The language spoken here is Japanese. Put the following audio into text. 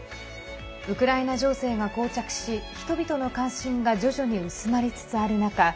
ウクライナ情勢がこう着し人々の関心が徐々に薄まりつつある中